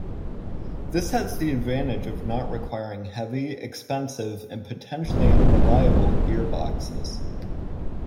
This has the advantage of not requiring heavy, expensive and potentially unreliable gearboxes.